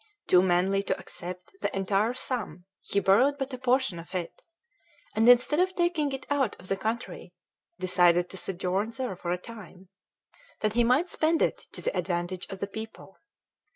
Too manly to accept the entire sum, he borrowed but a portion of it; and instead of taking it out of the country, decided to sojourn there for a time, that he might spend it to the advantage of the people.